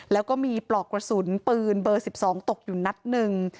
แล้วก็มีปลอกกระสุนปืนเบอร์๑๒ตกอยู่นัดหนึ่ง